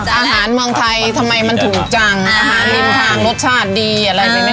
อาหารเมืองไทยทำไมมันถูกจังอาหารริมทางรสชาติดีอะไรแบบนี้